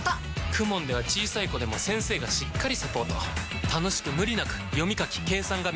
ＫＵＭＯＮ では小さい子でも先生がしっかりサポート楽しく無理なく読み書き計算が身につきます！